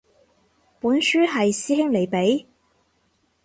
本書係師兄你畀